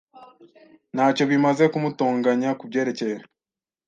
Ntacyo bimaze kumutonganya kubyerekeye.